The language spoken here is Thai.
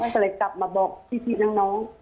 แม่ก็เลยกลับมาบอกที่ที่น้อง